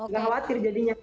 gak khawatir jadinya